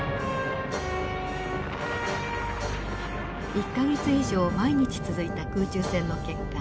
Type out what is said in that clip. １か月以上毎日続いた空中戦の結果